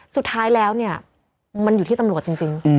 สุดท้ายแล้วเนี่ยมันอยู่ที่ตำรวจจริง